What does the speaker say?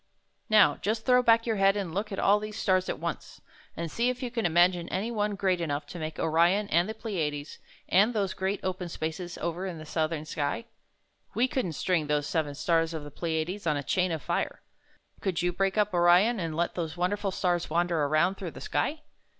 "Now, just throw back your head and look at all these stars at once, and see if you can imagine any one great enough to make Orion and the Pleiades and those great, open spaces over in the southern sky? We couldn't string those seven stars of the Pleiades on a chain of fire. Could you break up Orion and let those wonderful stars wander around through the sky?"